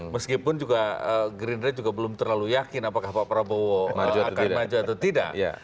meskipun juga gerindra juga belum terlalu yakin apakah pak prabowo akan maju atau tidak